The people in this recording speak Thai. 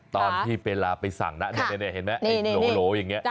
ตอนที่เวลาไปสั่งนะเห็นไหมไอ้โหลอย่างนี้